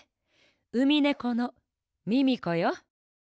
ウミネコのミミコよ！